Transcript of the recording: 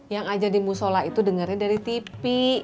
yang ajar di musola itu dengerin dari tv